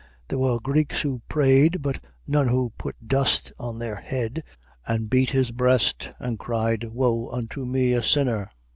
There were Greeks who prayed, but none who put dust on his head and beat his breast and cried, "Woe unto me, a sinner!"